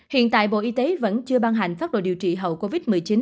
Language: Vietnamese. hiện tại bộ y tế vẫn chưa ban hành pháp đồ điều trị hậu covid một mươi chín